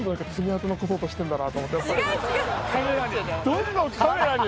どんどんカメラに。